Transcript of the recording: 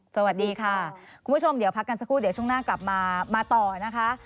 สวัสดีค่ะคุณผู้ชมเดี๋ยวพักกันสักครู่เดี๋ยวช่วงหน้ากลับมามาต่อนะคะ